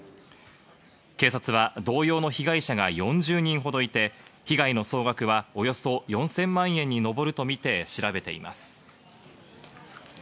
警察は同様の被害者が４０人ほどいて、被害の総額はおよそ４０００万円に上るとみて調べています。